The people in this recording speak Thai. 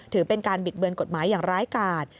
ถือเป็นการบิดเบือนกฎหมายอย่างร้ายกาด